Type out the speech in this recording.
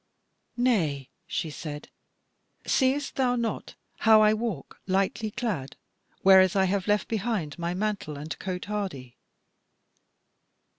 "Nay," she said, "seest thou not how I walk lightly clad, whereas I have left behind my mantle and cote hardie?"